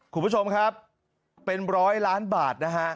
คุณผู้ชมครับเป็นร้อยล้านบาทนะฮะ